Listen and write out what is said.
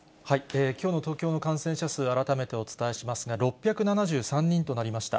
きょうの東京の感染者数、改めてお伝えしますが、６７３人となりました。